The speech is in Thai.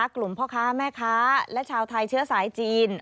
พ่อค้าแม่ค้าและชาวไทยเชื้อสายจีน